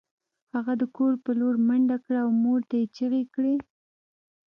هغه د کور په لور منډه کړه او مور ته یې چیغې کړې